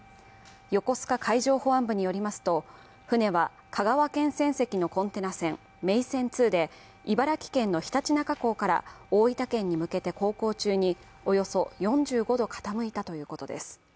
横須賀海上保安部によりますと船は香川県船籍のコンテナ船、「めいせん２」で茨城県の常陸那珂港から大分県に向けて航行中におよそ４５度傾いたということです。